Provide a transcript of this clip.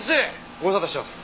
ご無沙汰してます。